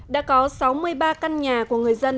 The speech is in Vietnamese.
đã có sáu mươi ba căn nhà của người dân